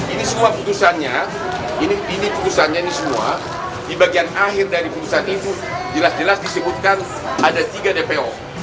ini semua putusannya ini putusannya ini semua di bagian akhir dari putusan itu jelas jelas disebutkan ada tiga dpo